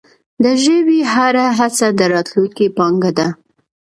د ژبي هره هڅه د راتلونکې پانګه ده.